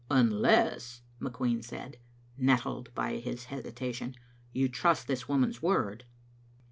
"Unless," McQueen said, nettled by his hesitation, "you trust this woman's word."